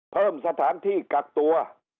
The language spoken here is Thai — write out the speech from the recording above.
เพิ่มสถานที่กักตัว